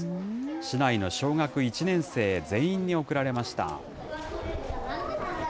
市内の小学１年生全員に贈られました。